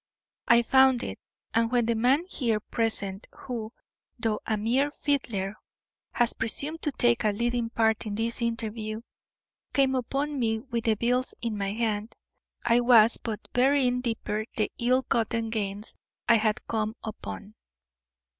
I found it, and when the man here present who, though a mere fiddler, has presumed to take a leading part in this interview, came upon me with the bills in my hand, I was but burying deeper the ill gotten gains I had come upon."